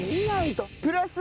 プラス。